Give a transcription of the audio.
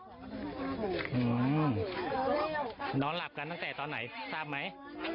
นอนหลับกันตั้งแต่ตอนไหนทราบไหม